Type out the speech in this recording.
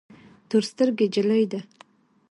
تور سترګي جلی ده